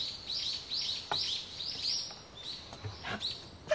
やった！